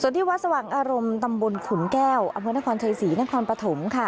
สวัสดีวัสดิ์สวังอารมณ์ตำบลฝุนแก้วอำเมฆนครชัยศรีนครปฐมค่ะ